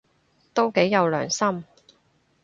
都幾有良心